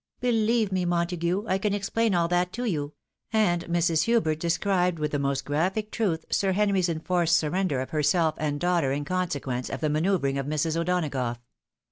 ''" Believe me, Montagu, I can explain all that to you ;" and Mrs. Hubert described with the most graphic truth Sir Henry's enforced surrender of herself and daughter in consequence of the manoeuvreing of Mrs. O'Donagough.